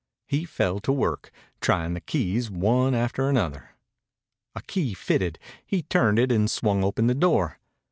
He fell to work, trying the keys one after another. A key fitted. He turned it and swung open the door.